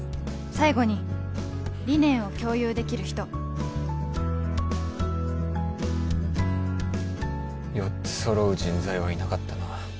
最後に理念を共有できる人４つ揃う人材はいなかったな